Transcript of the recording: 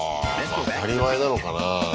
当たり前なのかな？